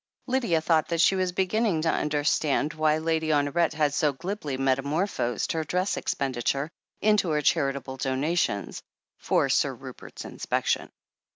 Lydia thought that she was beginning to understand why Lady Honoret had so glibly metamorphosed her dress expenditure into her charitable donations, for Sir Rupert's inspection.